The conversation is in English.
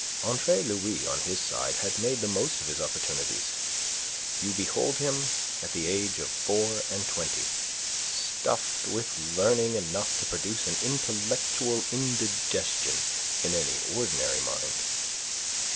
Andre Louis, on his side, had made the most of his opportunities. You behold him at the age of four and twenty stuffed with learning enough to produce an intellectual indigestion in an ordinary mind.